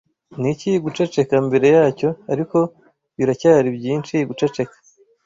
Niki guceceka mbere yacyo, ariko biracyari byinshi guceceka